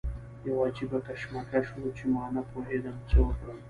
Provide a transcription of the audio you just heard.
یو عجیبه کشمکش و چې ما نه پوهېدم څه وکړم.